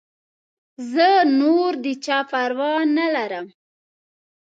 زه نور د چا پروا نه لرم.